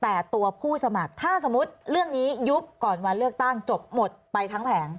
แต่ตัวผู้สมัครถ้าสมมุติเรื่องนี้ยุบก่อนวันเลือกตั้งจบหมดไปทั้งแผง